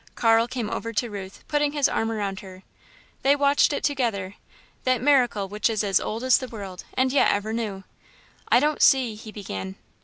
Carl came over to Ruth, putting his arm around her. They watched it together that miracle which is as old as the world, and yet ever new. "I don't see " he began.